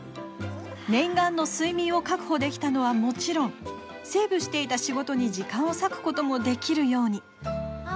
念願の睡眠を確保できたのはもちろんセーブしていた仕事に時間を割くこともできるように。